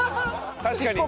確かに。